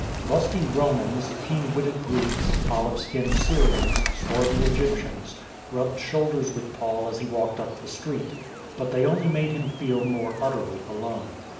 Lusty Romans, keen witted Greeks, olive skinned Syrians, swarthy Egyptians, rubbed shoulders with Paul as he walked up the street; but they only made him feel more utterly alone.